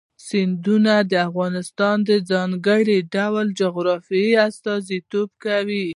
سیندونه د افغانستان د ځانګړي ډول جغرافیه استازیتوب کوي.